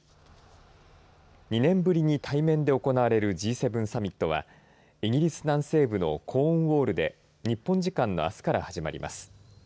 ２年ぶりに対面で行われるＧ７サミットはイギリス南西部のコーンウォールで日本時間のあすから始まります。